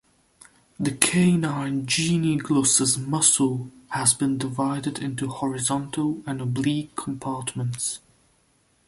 The canine genioglossus muscle has been divided into horizontal and oblique compartments.